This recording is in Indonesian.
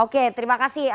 oke terima kasih